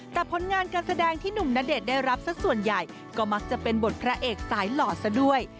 แต่ผลงานการแสดงที่หนุ่มณเดชน์ได้รับสักส่วนใหญ่ก็มักจะเป็นบทพระเอกสายหล่อซะด้วย